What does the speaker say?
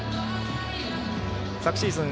昨シーズン